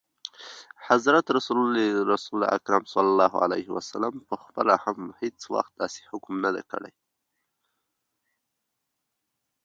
حضرت رسول اکرم ص پخپله هم هیڅ وخت داسي حکم نه دی کړی.